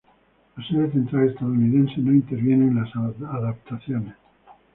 La sede central estadounidense no interviene en las adaptaciones.